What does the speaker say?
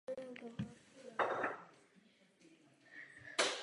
Účastníci tohoto summitu se jednomyslně postavili proti hospodářskému protekcionismu.